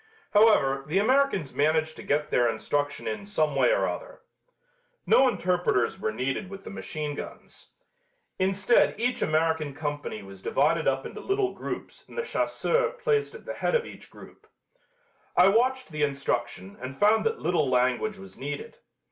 However, the Americans managed to get their instruction in some way or other. No interpreters were needed with the machine guns. Instead each American company was divided up into little groups and a chasseur placed at the head of each group. I watched the instruction and found that little language was needed.